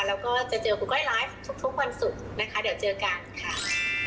แล้วก็จะเจอคุณก้อยไลฟ์ทุกวันศุกร์นะคะเดี๋ยวเจอกันค่ะ